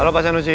halo pak janusi